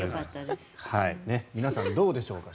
皆さん、どうでしょうか。